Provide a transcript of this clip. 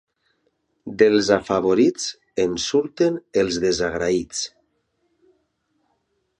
Dels afavorits en surten els desagraïts.